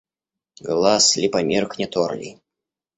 Глаз ли померкнет орлий?